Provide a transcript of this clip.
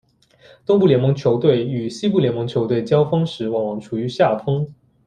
东部联盟球队与西部联盟球队交锋时往往处于下风。